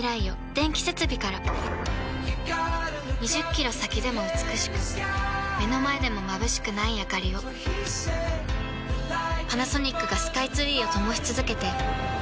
２０キロ先でも美しく目の前でもまぶしくないあかりをパナソニックがスカイツリーを灯し続けて今年で１０年